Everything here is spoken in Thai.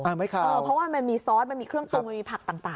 เพราะว่ามันมีซอสมันมีเครื่องปรุงมันมีผักต่าง